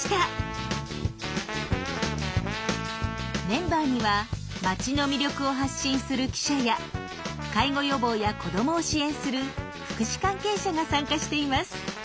メンバーには町の魅力を発信する記者や介護予防や子どもを支援する福祉関係者が参加しています。